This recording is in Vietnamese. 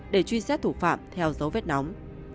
để truy xét thủ phạm theo dấu vết nóng